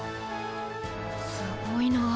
すごいな。